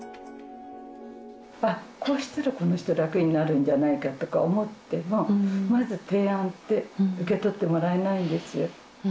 こうしたらこの人、楽になるんじゃないかとか思っても、まず提案って受け取ってもらえないんですよ。